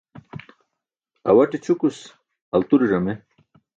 Awate ćʰukus alture ẓame.